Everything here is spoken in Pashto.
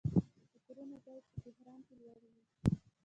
د کورونو بیې په تهران کې لوړې دي.